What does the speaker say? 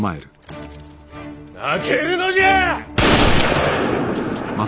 負けるのじゃ！